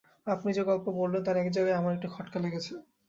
আপনি যে-গল্প বললেন, তার এক জায়গায় আমার একটু খটকা লেগেছে।